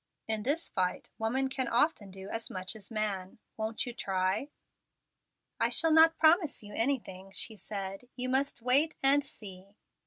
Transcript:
In this fight woman can often do as much as man. Won't you try?" "I shall not promise you anything," she said. "You must wait and see."